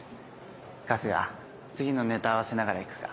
春日次のネタ合わせながら行くか。